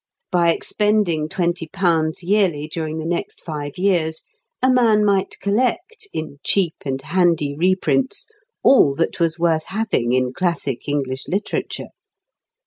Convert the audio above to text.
By expending £20 yearly during the next five years a man might collect, in cheap and handy reprints, all that was worth having in classic English literature.